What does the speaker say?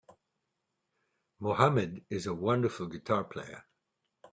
Mohammed is a wonderful guitar player.